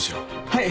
はい。